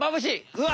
うわ。